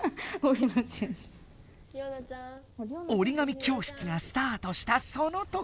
折り紙教室がスタートしたその時！